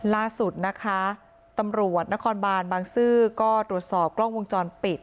ล่าสุดนะคะตำรวจนครบานบางซื่อก็ตรวจสอบกล้องวงจรปิด